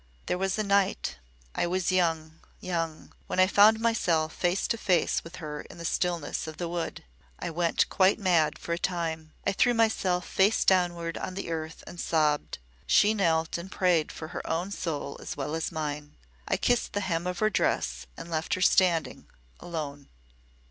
"There was a night I was young young when I found myself face to face with her in the stillness of the wood. I went quite mad for a time. I threw myself face downward on the earth and sobbed. She knelt and prayed for her own soul as well as mine. I kissed the hem of her dress and left her standing alone."